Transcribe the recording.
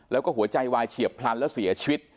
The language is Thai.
แล้วก็หัวใจวายเฉียบพลันแล้วเสียชีวิต